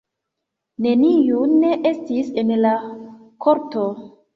Neniu estis en la korto.